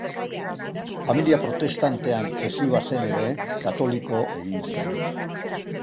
Familia protestantean hezi bazen ere, katoliko egin zen.